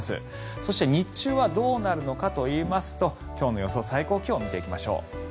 そして、日中はどうなるのかといいますと今日の予想最高気温を見ていきましょう。